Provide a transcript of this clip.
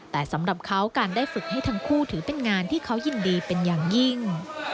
แต่สำหรับเขาการได้ฝึกให้ทั้งคู่ถือเป็นงานที่เขายินดีเป็นอย่างยิ่ง